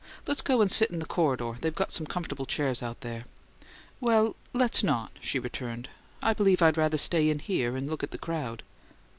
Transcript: "Let's go out and sit in the corridor; they've got some comfortable chairs out there." "Well let's not," she returned. "I believe I'd rather stay in here and look at the crowd."